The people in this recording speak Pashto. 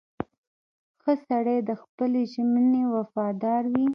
• ښه سړی د خپلې ژمنې وفادار وي.